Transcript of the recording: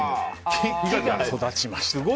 木が育ちました。